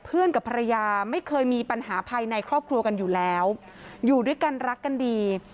กับภรรยาไม่เคยมีปัญหาภายในครอบครัวกันอยู่แล้วอยู่ด้วยกันรักกันดี